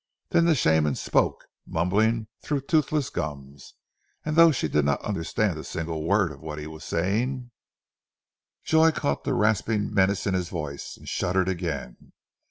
Then the Shaman spoke, mumbling through toothless gums, and though she did not understand a single word of what he was saying, Joy caught the rasping menace in his voice and shuddered again.